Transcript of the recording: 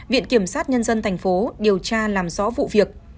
viện kiểm sát nhân dân thành phố điều tra làm rõ vụ việc